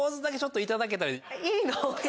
いいの？